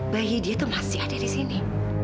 bayi dia itu masih ada di sini